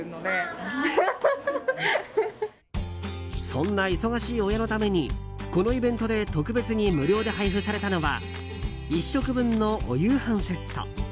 そんな忙しい親のためにこのイベントで特別に無料で配布されたのは１食分のお夕飯セット。